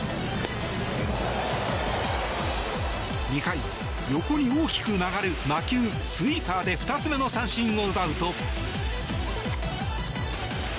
２回、横に大きく曲がる魔球スイーパーで２つ目の三振を奪うと。